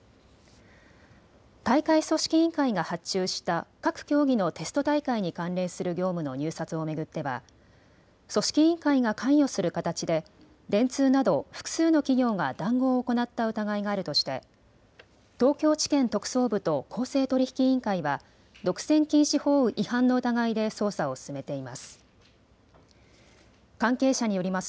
大会組織委員会が発注した各競技のテスト大会に関連する業務の入札を巡っては組織委員会が関与する形で電通など複数の企業が談合を行った疑いがあるとして東京地検特捜部と公正取引委員会は独占禁止法違反の疑いで捜査を進めています。